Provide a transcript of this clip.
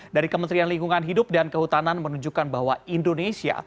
dari kementerian lingkungan hidup dan kehutanan menunjukkan bahwa indonesia